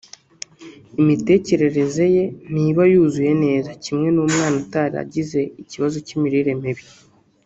imitekerereze ye ntibe yuzuye neza kimwe n'umwana utaragize ikibazo cy'imirire mibi